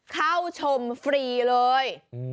เข้าชมฟรีเลย